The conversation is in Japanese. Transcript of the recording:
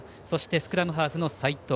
スクラムハーフの齋藤。